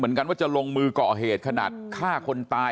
แล้วก็ยัดลงถังสีฟ้าขนาด๒๐๐ลิตร